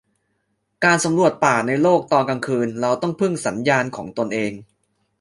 การสำรวจป่าในโลก ตอนกลางคืน เราต้องพึ่งสัญญาณของตนเอง